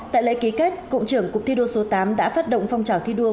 tại lễ ký kết cục trưởng cục thi đua số tám đã phát động phong trào thi đua